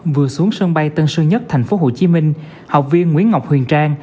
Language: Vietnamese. vừa xuống sân bay tân sơn nhất thành phố hồ chí minh học viên nguyễn ngọc huyền trang